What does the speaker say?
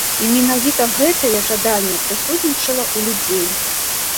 І менавіта гэтае жаданне прысутнічала ў людзей.